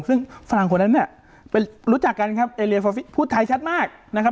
ซึ่งฝรั่งคนนั้นน่ะรู้จักกันครับพูดไทยชัดมากนะครับ